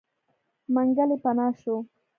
منګلی پناه شو.